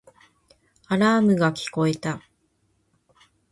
アラームが聞こえた